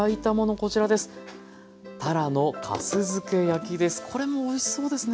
これもおいしそうですね。